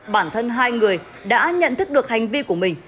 bản thân hai người đã nhận thức được hành vi của mình